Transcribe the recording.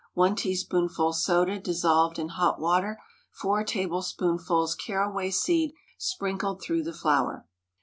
1 teaspoonful soda dissolved in hot water. 4 tablespoonfuls caraway seed sprinkled through the flour.